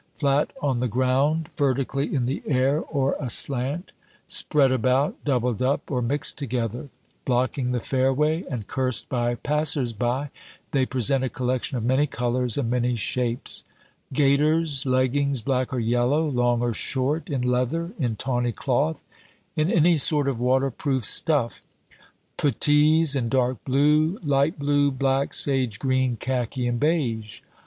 Flat on the ground, vertically in the air, or aslant; spread about, doubled up, or mixed together; blocking the fairway and cursed by passers by, they present a collection of many colors and many shapes gaiters, leggings black or yellow, long or short, in leather, in tawny cloth, in any sort of waterproof stuff; puttees in dark blue, light blue, black, sage green, khaki, and beige.